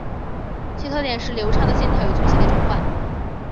其特点是流畅的线条与粗细的转换。